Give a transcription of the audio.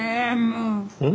もう。